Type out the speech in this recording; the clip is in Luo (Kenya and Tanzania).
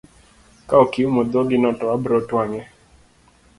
Ka ok iumo dhogi no to abiro twang'e.